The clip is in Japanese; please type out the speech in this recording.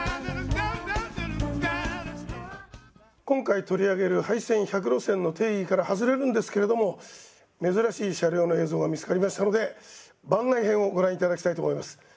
今回取り上げる廃線１００路線の定義から外れるんですけれども珍しい車両の映像が見つかりましたので番外編をご覧頂きたいと思います。